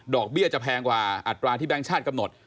เบี้ยจะแพงกว่าอัตราที่แก๊งชาติกำหนด